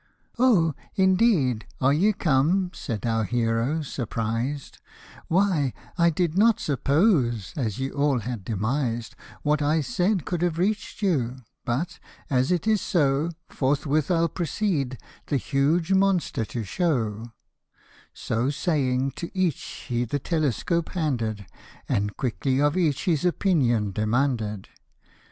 " Oh, indeed ! are ye come ?" said our hero, sur prised, " Why I did not suppose, as ye all had demised, What I said could have reach'd you ; but as it is so, Forthwith I'll proceed the huge monster to show ; So saying, to each he the telescope handed, And quickly of each his opinion demanded.